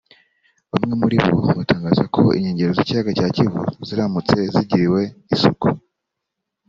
Bamwe muri bo batangaza ko inkengero z’ikiyaga cya Kivu ziramutse zigiriwe isuku